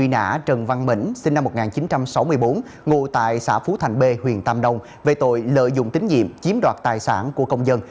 ngụ tại xã phú thành b huyện tam đông về tội lợi dụng tín nhiệm chiếm đoạt tài sản của công dân